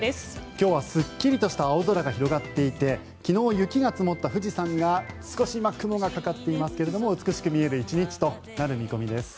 今日はすっきりとした青空が広がっていて昨日雪が積もった富士山が今、ちょっと雲がかかっていますが美しく見える１日となる見込みです。